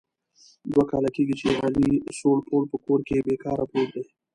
دوه کال کېږي چې علي سوړ پوړ په کور کې بې کاره پروت دی.